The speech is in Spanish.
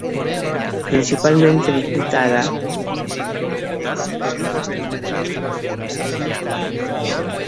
Principalmente disputa la Vuelta al Táchira, Vuelta a Venezuela, entre otras.